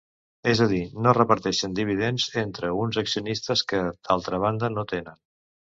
És a dir, no reparteixen dividends entre uns accionistes que, d'altra banda, no tenen.